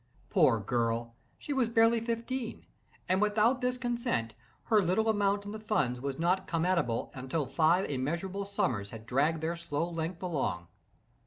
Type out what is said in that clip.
Poor girl!—she was barely fifteen, and without this consent, her little amount in the funds was not come at able until five immeasurable summers had "dragged their slow length along."